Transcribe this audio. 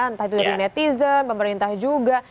entah itu dari netizen pemerintah juga